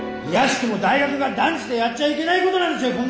いやしくも大学が断じてやっちゃいけないことなんですよ